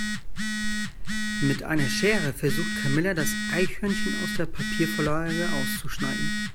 Mit einer Schere versucht Camilla das Eichhörnchen aus der Papiervorlage auszuschneiden.